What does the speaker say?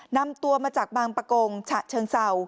นำตัวมาจากบางประกงฉะเชิงเศร้า